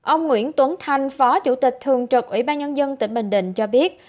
ông nguyễn tuấn thanh phó chủ tịch thường trực ủy ban nhân dân tỉnh bình định cho biết